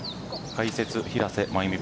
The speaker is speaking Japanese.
解説、平瀬真由美